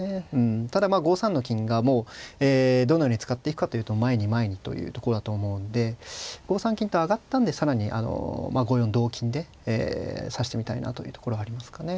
ただまあ５三の金がもうえどのように使っていくかというと前に前にというとこだと思うんで５三金と上がったんで更にあのまあ５四同金で指してみたいなというところはありますかね。